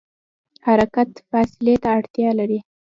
حرکت فاصلې ته اړتیا لري.